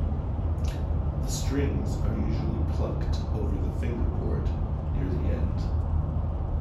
The strings are usually plucked over the fingerboard near the end.